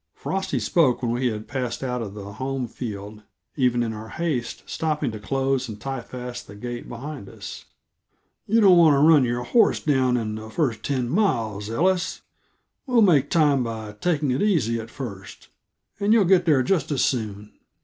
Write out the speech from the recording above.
Frosty spoke when we had passed out of the home field, even in our haste stopping to close and tie fast the gate behind us. "You don't want to run your horse down in the first ten miles, Ellis; we'll make time by taking it easy at first, and you'll get there just as soon."